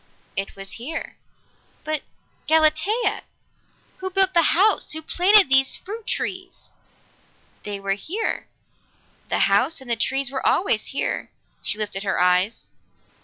"It was here." "But Galatea! Who built the house? Who planted these fruit trees?" "They were here. The house and trees were always here." She lifted her eyes.